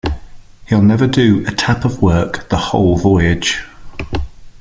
He'll never do a tap of work the whole Voyage.